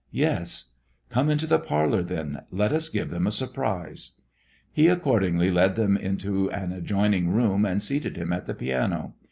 "Yes." "Come into the parlor, then. Let us give them a surprise." He accordingly led him into an adjoining room and seated him at the piano.